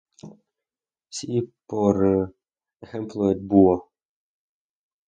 Sí, por... ejemplo el búho